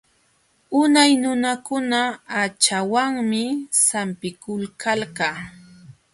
Unay nunakuna haćhawanmi sampikulkalqa.